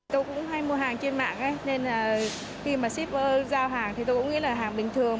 tôi cũng hay mua hàng trên mạng nên là khi mà shipper giao hàng thì tôi cũng nghĩ là hàng bình thường